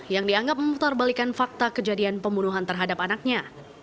yang dianggap memutarbalikan fakta kejadian pembunuhan terhadap anaknya